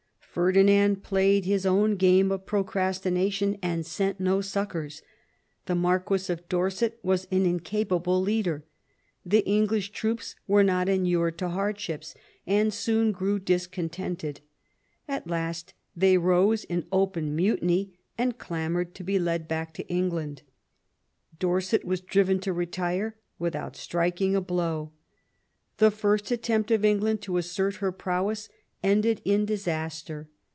Ferdinand played his own game of procrastination, and sent no succoura The Marquis of Dorset was an incapable leader. The English troops were not inured to hardships, and soon grew discontented; at last they rose in open mutiny, and clamoured to be led back to England. Dorset was driven to retire without striking a blow. The first attempt of England to assert her prowess ended in disaster.